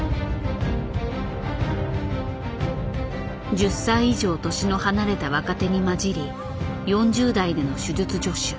１０歳以上年の離れた若手に交じり４０代での手術助手。